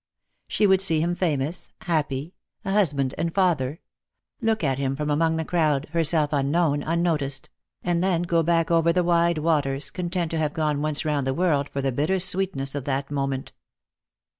She would see him famous, happy, a husband and father; look at him from among the crowd, herself unknown, unnoticed ; and then go back over the wide waters, content to have gone once round the world for the bitter sweetness of that moment.